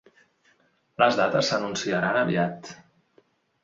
Les dates s’anunciaran aviat.